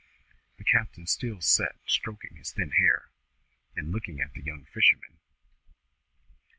The captain still sat stroking his thin hair, and looking at the young fisherman.